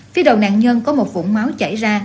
phía đầu nạn nhân có một vũng máu chảy ra